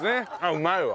うまいわ。